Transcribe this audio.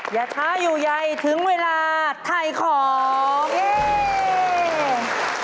อย่าช้าอยู่ใยถึงเวลาถ่ายของเอง